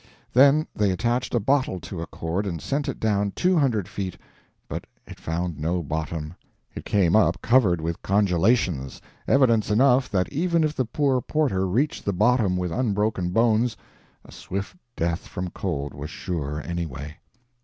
Then they attached a bottle to a cord and sent it down two hundred feet, but it found no bottom. It came up covered with congelations evidence enough that even if the poor porter reached the bottom with unbroken bones, a swift death from cold was sure, anyway.